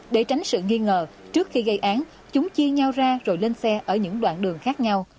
để tránh sự nghi ngờ trước khi gây án chúng chia nhau ra rồi lên xe ở những đoạn đường khác nhau